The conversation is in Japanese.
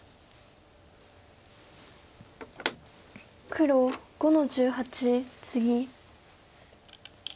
黒５の十八ツギ。